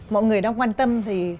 mọi người đang quan tâm thì